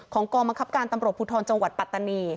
กองบังคับการตำรวจภูทรจังหวัดปัตตานี